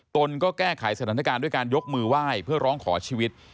ตนก็แก้ไขสถานการณ์ด้วยการยกมือไหว้เพื่อร้องขอชีวิต